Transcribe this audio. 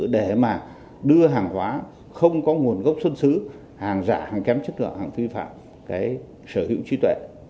để mà đưa hàng hóa không có nguồn gốc xuất xứ hàng giả hàng kém chất lượng hàng vi phạm sở hữu trí tuệ